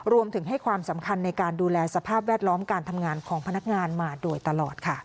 รวมถึงให้ความสำคัญในการดูแลสภาพแวดล้อมการทำงานของพนักงานมาโดยตลอดค่ะ